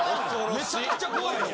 めちゃくちゃ怖いやつ。